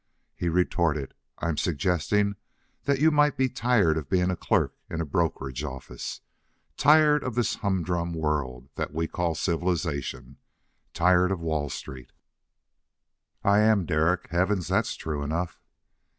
He retorted, "I'm suggesting that you might be tired of being a clerk in a brokerage office. Tired of this humdrum world that we call civilization. Tired of Wall Street." "I am, Derek. Heavens, that's true enough."